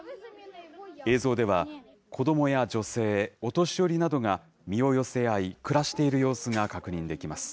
映像では、子どもや女性、お年寄りなどが身を寄せ合い、暮らしている様子が確認できます。